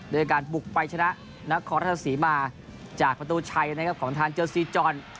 โดยการบุกไปชนะนครราชศรีมาจากประตูชัยนะครับของทางเจอซีจร